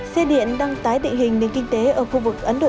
xe điện đang tái định hình nền kinh tế ở khu vực ấn độ